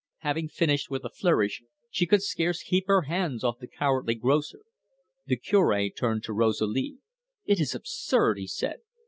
Having finished with a flourish, she could scarce keep her hands off the cowardly grocer. The Cure turned to Rosalie. "It is absurd," he said.